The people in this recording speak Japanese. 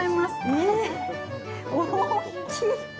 ええっ、大きい。